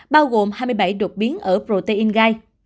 bao gồm hai mươi bảy đột biến ở protein gai